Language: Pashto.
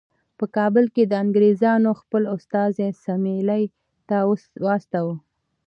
په کابل کې د انګریزانو خپل استازی سیملې ته واستاوه.